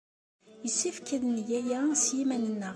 Yessefk ad neg aya s yiman-nneɣ.